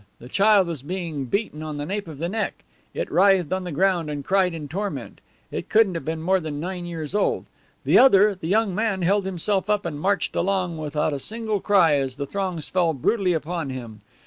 The child was being beaten on the nape of the neck. It writhed on the ground and cried in torment. It couldn't have been more than nine years old. The other, the young man, held himself up and marched along without a single cry as the thongs fell brutally upon him.